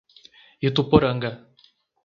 Ituporanga